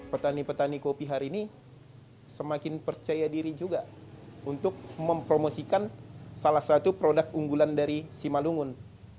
petani petani kopi hari ini semakin percaya diri juga untuk mempromosikan salah satu produk unggulan dari simalungun